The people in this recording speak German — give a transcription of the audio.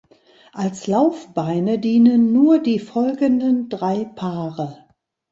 Als Laufbeine dienen nur die folgenden drei Paare.